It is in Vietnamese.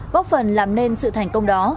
góp phần làm nên sự thành công đó